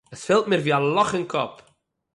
עס פֿעלט מיר ווי אַ לאָך אין קאָפּ.